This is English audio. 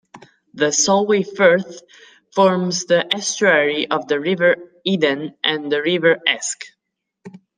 The Solway Firth forms the estuary of the River Eden and the River Esk.